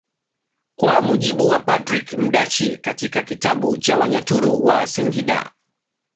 Kwa mujibu wa Patrick Mdachi katika kitabu cha Wanyaturu wa Singida